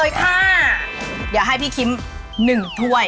ค่ะเดี๋ยวให้พี่คิม๑ถ้วย